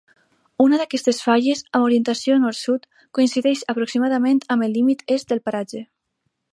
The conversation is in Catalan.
Una d'aquestes falles, amb orientació nord-sud, coincideix aproximadament amb el límit est del paratge.